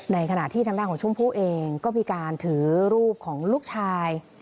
ในขณะที่ทางด้านของชมพู่เองก็มีการถือรูปของลูกชาย